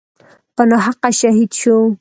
په ناحقه شهید شو.